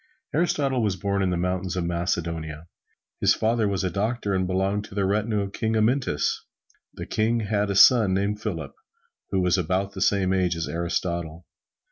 Aristotle was born in the mountains of Macedonia. His father was a doctor and belonged to the retinue of King Amyntas. The King had a son named Philip, who was about the same age as Aristotle.